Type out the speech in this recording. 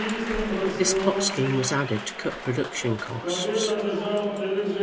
This plot scheme was added to cut production costs.